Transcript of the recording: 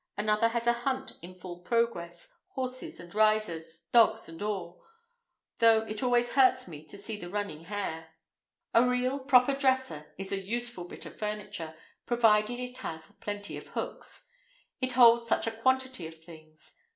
Another has a hunt in full progress, horses and riders, dogs and all—though it always hurts me to see the running hare. A real, proper dresser is a useful bit of furniture, provided it has plenty of hooks. It holds such a quantity of things.